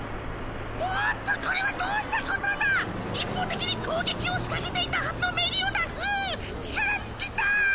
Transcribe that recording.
おっとこれはどうしたことだ⁉一方的に攻撃を仕掛けていたはずのメリオダフ力尽きた！